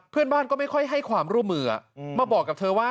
เพื่อนบ้านก็ไม่ค่อยให้ความร่วมมือมาบอกกับเธอว่า